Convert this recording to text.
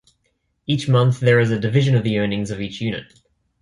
Each month there is a division of the earnings of each unit.